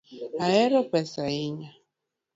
Ahero pesa ahinya